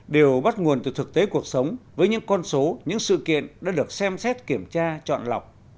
đều bắt nguồn từ thực tế cuộc sống với những con số những sự kiện đã được xem xét kiểm tra chọn lọc